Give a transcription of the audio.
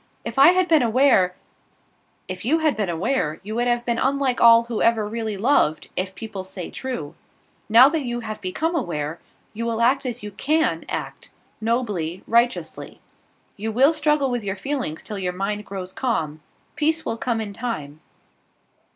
If I had been aware " "If you had been aware, you would have been unlike all who ever really loved, if people say true. Now that you have become aware, you will act as you can act nobly righteously. You will struggle with your feelings till your mind grows calm. Peace will come in time."